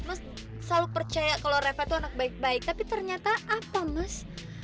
mas selalu percaya kalau reva itu anak baik baik tapi ternyata apa mas